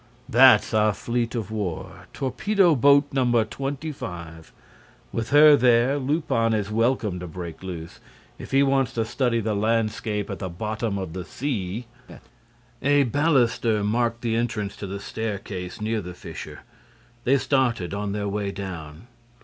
"That's our fleet of war, Torpedo boat No. 25. With her there, Lupin is welcome to break loose—if he wants to study the landscape at the bottom of the sea." A baluster marked the entrance to the staircase, near the fissure. They started on their way down.